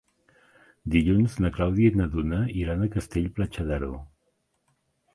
Dilluns na Clàudia i na Duna iran a Castell-Platja d'Aro.